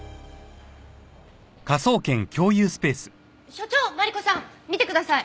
所長マリコさん見てください。